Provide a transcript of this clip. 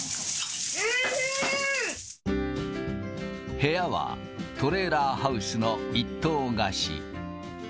部屋はトレーラーハウスの１棟貸し。